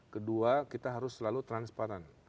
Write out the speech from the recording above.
kedua kita harus selalu transparan